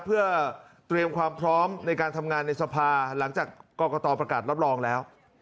เพื่อเตรียมความพร้อมในการทำงานในสภาหลังจากกรกตประกาศรับรองแล้ว